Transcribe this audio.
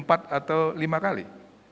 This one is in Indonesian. atau lima kali